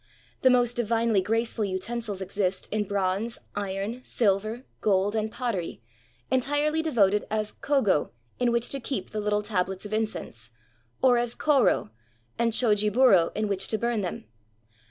The most divinely graceful utensils exist in bronze, iron, silver, gold, and pottery, entirely devoted as kogo in which to keep the little tablets of incense, or as koro, and chojiburo in which to burn them.